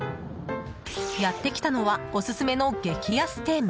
やってきたのはオススメの激安店。